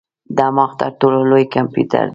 دماغ تر ټولو لوی کمپیوټر دی.